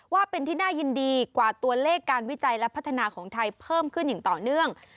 ว่าเป็นที่น่ายินดีกว่าตัวเลขการวิจัยและพัฒนาของไทยเพิ่มขึ้นอย่างต่อเนื่อง